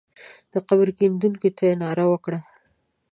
د قبر کیندونکو ته یې ناره وکړه.